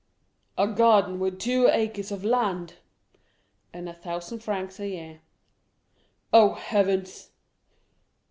"A garden with two acres of land!" "And a thousand francs a year." "Oh, heavens!"